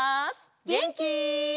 げんき？